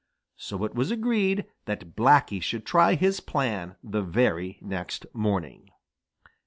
So it was agreed that Blacky should try his plan the very next morning.